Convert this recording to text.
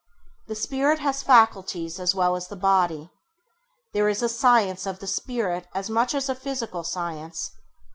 The Spirit has faculties as well as the body. There is a science of the [Page 14] Spirit as much as physical science.